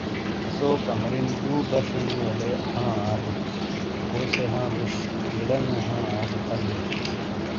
اسو کمرے نی دو باشینی والے ہاں آدے۔ کوسے ہاں بوش ۔بلا نیو ہاں ادے فل بوۓ۔